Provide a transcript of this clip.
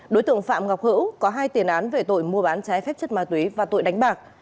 đối tượng phạm ngọc hữu có hai tiền án về tội mua bán trái phép chất ma túy và tội đánh bạc